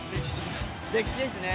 歴史ですね。